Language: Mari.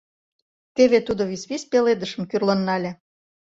Теве тудо висвис пеледышым кӱрлын нале.